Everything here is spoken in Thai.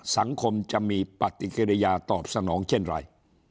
สังคมจะมีปฏิกิริยาตอบสนองเช่นไร